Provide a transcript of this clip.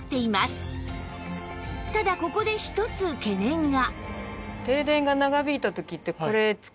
ただここで一つ懸念が